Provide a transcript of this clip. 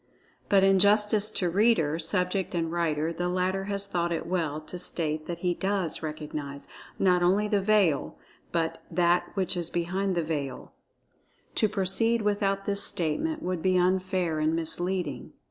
But in justice to reader, subject and writer, the latter has thought it well to state that he does recognize, not only the veil, but That which is behind the Veil. To proceed without this statement would be unfair and misleading.